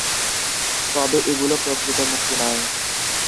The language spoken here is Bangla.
তবে এগুলো প্রকৃত মুক্তি নয়।